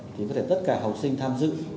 thì có thể tất cả học sinh tham dự